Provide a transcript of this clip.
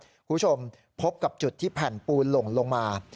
คุณผู้ชมพบกับจุดที่แผ่นปูนหล่นลงมา